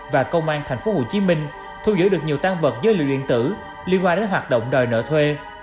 và công an tp hcm thu giữ được nhiều tăng vật dưới lượng điện tử liên quan đến hoạt động đòi nợ thuê